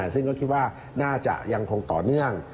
ซึ่งก็คิดว่าน่าจะยังคงต่อเนื่อง